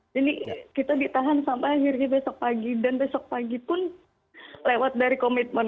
jadi kita ditahan sampai akhirnya besok pagi dan besok pagi pun lewat dari komitmen